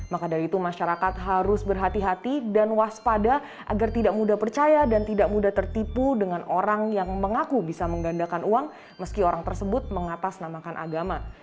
maka dari itu masyarakat harus berhati hati dan waspada agar tidak mudah percaya dan tidak mudah tertipu dengan orang yang mengaku bisa menggandakan uang meski orang tersebut mengatasnamakan agama